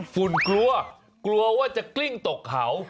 ฝุ่นกลัวกลัวว่าจะกลิ้งตกเขา